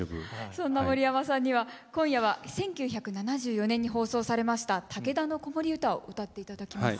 そんな森山さんには今夜は１９７４年に放送されました「竹田の子守唄」を歌って頂きます。